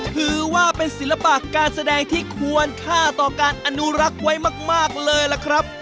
ถือว่าเป็นศิลปะการแสดงที่ควรค่าต่อการอนุรักษ์ไว้มากเลยล่ะครับ